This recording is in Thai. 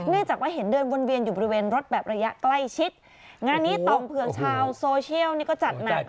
จากว่าเห็นเดินวนเวียนอยู่บริเวณรถแบบระยะใกล้ชิดงานนี้ต่อมเผือกชาวโซเชียลนี่ก็จัดหนัก